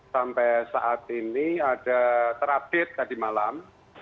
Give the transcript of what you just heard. sampai saat ini ada terupdate tadi malam satu satu ratus sembilan puluh